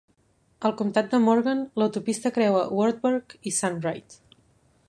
Al comtat de Morgan, l'autopista creua Wartburg i Sunbright.